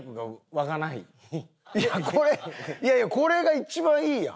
いやこれいやいやこれが一番いいやん。